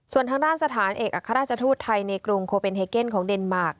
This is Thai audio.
ส่วนทางด้านสถานเอกอัครราชทูตไทยในกรุงโคเป็นเฮเกนของเดนมาร์ค